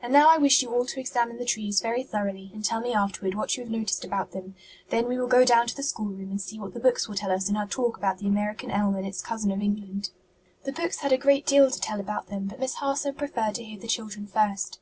"And now I wish you all to examine the trees very thoroughly and tell me afterward what you have noticed about them; then we will go down to the schoolroom and see what the books will tell us in our talk about the American elm and its cousin of England." The books had a great deal to tell about them, but Miss Harson preferred to hear the children first.